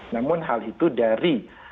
namun hal itu dari